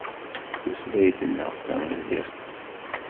Tutlayt-nneɣ d tamaziɣt.